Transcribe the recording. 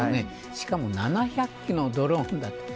しかも７００機のドローン。